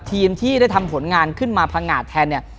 ทีมที่ได้ทำผลงานขึ้นมาพังงาดแทนเนี่ย